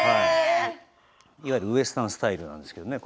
いわゆるウエスタンスタイルなんですよね。